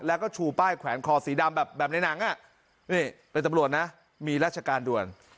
แล้วก็ชูป้ายแขวนคอสีดำแบบในหนังอ่ะนี่เป็นตำรวจนะมีราชการด่วน